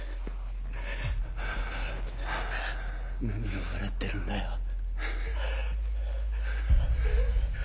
何を笑ってるんだよ。